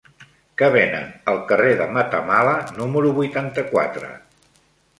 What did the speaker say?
Què venen al carrer de Matamala número vuitanta-quatre?